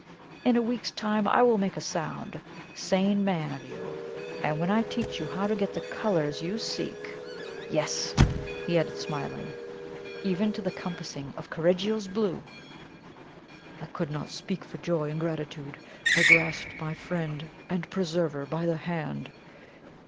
In a week's time, I will make a sound, sane man of you; and then I will teach you how to get the colours you seek yes!' he added, smiling, 'even to the compassing of Correggio's blue.' "I could not speak for joy and gratitude; I grasped my friend and preserver by the hand.